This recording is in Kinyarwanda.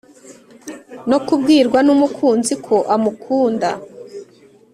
no kubwirwa n’umukunzi ko amukunda,